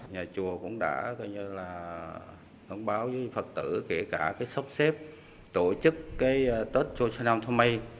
nhà chùa cũng đã tổng báo với phật tử kể cả sốc xếp tổ chức tết trôn trần năm thơ mây